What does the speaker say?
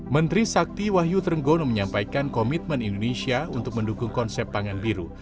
menteri sakti wahyu trenggono menyampaikan komitmen indonesia untuk mendukung konsep pangan biru